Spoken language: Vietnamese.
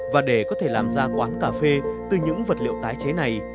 và để có thể làm ra quán cà phê từ những vật liệu tái chế này